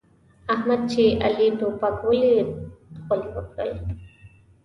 احمد چې علي توپک وليد؛ غول يې وکړل.